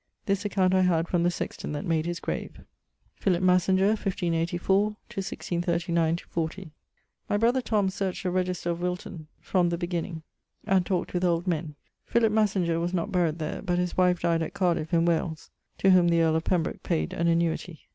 This account I had from the sexton that made his grave. =Philip Massinger= (1584? 1639/40). My brother Tom searcht the register of Wilton from the beginning and talk't with old men. Philip Massinger was not buried there; but his wife dyed at Cardiffe in Wales, to whom the earl of Pembroke payd an annuity.